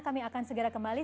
kami akan segera kembali